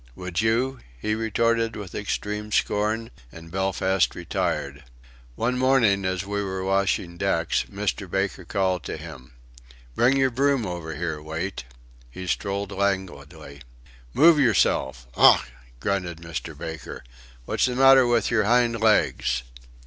"Would you?" he retorted with extreme, scorn and Belfast retired. One morning, as we were washing decks, Mr. Baker called to him: "Bring your broom over here, Wait." He strolled languidly. "Move yourself! Ough!" grunted Mr. Baker; "what's the matter with your hind legs?"